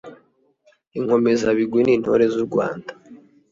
inkomezabigwi nintore zurwanda.